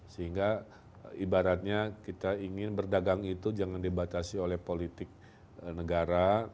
sehingga ibaratnya kita ingin berdagang itu jangan dibatasi oleh politik negara